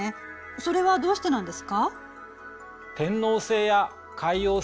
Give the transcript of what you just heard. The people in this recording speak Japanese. それはどうしてなんですか？